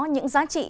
những giá trị